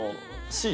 Ｃ？